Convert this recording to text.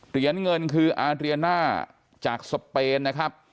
เหรียญเงินคืออาเดรียน่าจากสเปน